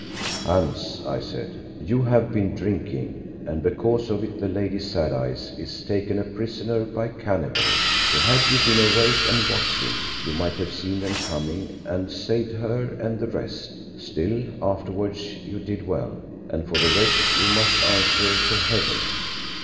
"Hans," I said, "you have been drinking and because of it the lady Sad Eyes is taken a prisoner by cannibals; for had you been awake and watching, you might have seen them coming and saved her and the rest. Still, afterwards you did well, and for the rest you must answer to Heaven."